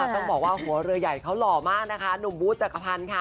ต้องบอกว่าหัวเรือใหญ่เขาหล่อมากนะคะหนุ่มบูธจักรพันธ์ค่ะ